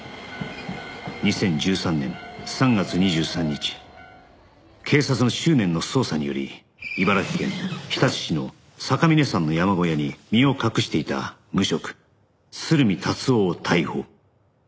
２０１３年３月２３日警察の執念の捜査により茨城県日立市の酒峰山の山小屋に身を隠していた無職鶴見達男を逮捕